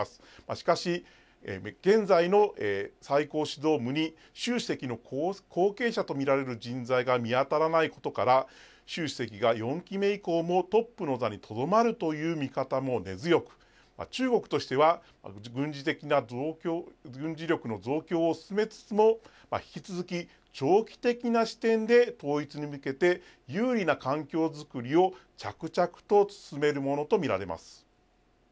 しかし、現在の最高指導部に習主席の後継者と見られる人材が見当たらないことから習主席が４期目以降もトップの座にとどまるという見方も根強く、中国としては軍事力の増強を進めつつも引き続き長期的な視点で統一に向けて優位な環境づくりを着々と進めるものと見られます。